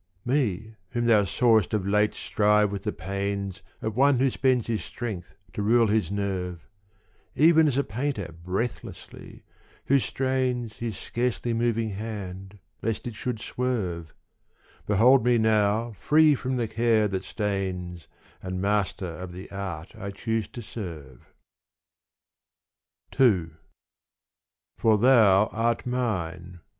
Me whom thou sawst of late strive with the pains Of one who spends his strength to rule his nerve — Even as a painter breathlessly who strains His scarcely moving hand lest it should swerve — Behold me now free from the care that stains And master of the art I chose to serve. II For thou art mine.